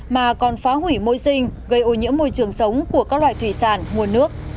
mà còn phá hủy môi sinh gây ô nhiễm môi trường sống của các loại thủy sản nguồn nước